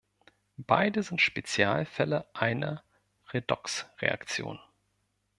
Beide sind Spezialfälle einer Redoxreaktion.